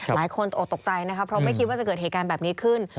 หลายคนตกตกใจนะครับเพราะไม่คิดว่าจะเกิดเหตุการณ์แบบนี้ขึ้น